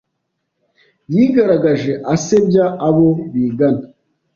Yigaragaje asebya abo bigana.